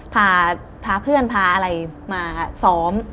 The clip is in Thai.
พาเพื่อนพาอะไรมาซ้อม